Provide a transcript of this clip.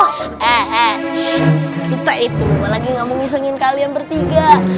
eh eh kita itu lagi gak mau nyeselin kalian bertiga